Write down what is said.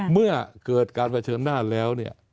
เมื่อเกิดการเผชิญหน้าแล้วเนี่ย